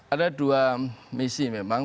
ada dua misi memang